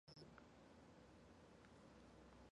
团结一致才不会倒下